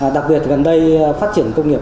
đặc biệt gần đây phát triển công nghiệp